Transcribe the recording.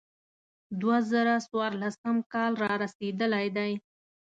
دوه زره څوارلسم کال را رسېدلی دی.